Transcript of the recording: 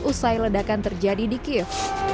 usai ledakan terjadi di kiev